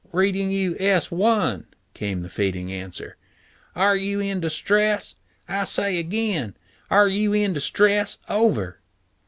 "... reading you S 1," came the fading answer. "Are you in distress? I say again. Are you in distress? Over."